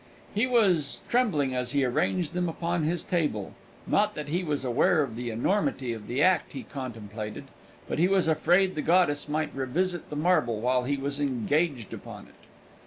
He was trembling as he arranged them upon his table; not that he was aware of the enormity of the act he contemplated, but he was afraid the goddess might revisit the marble while he was engaged upon it.